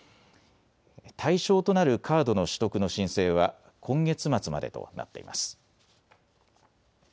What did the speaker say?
対象となるカードの取得の申請は今月末までとなっています。